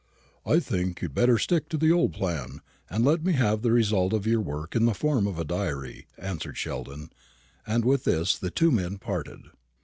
"I think you'd better stick to the old plan, and let me have the result of your work in the form of a diary," answered Sheldon. And with this the two men parted.